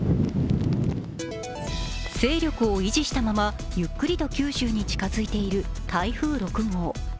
勢力を維持したままゆっくりと九州に近づいている台風６号。